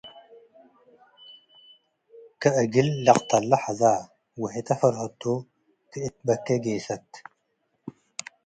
ከእግል ልቅተለ' ሐዘ ወህታ ፈርሀቶ' ከእት ትበኬ' ጌሰት።